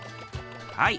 はい。